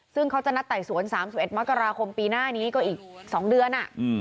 ซึ่งเขาจะนัดไต่สวน๓๑มกราคมปีหน้านี้ก็อีก๒เดือน